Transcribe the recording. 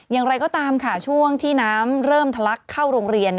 อย่างไรก็ตามค่ะช่วงที่น้ำเริ่มทะลักเข้าโรงเรียน